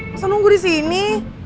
masa nunggu disini